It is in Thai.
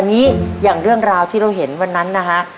อันนี้อย่างเรื่องราวที่เราเห็นวันนั้นนะฮะ